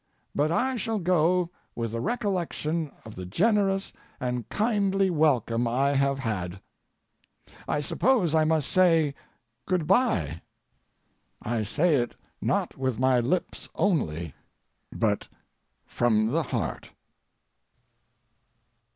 But I shall go with the recollection of the generous and kindly welcome I have had. I suppose I must say "Good bye." I say it not with my lips only, but from the heart.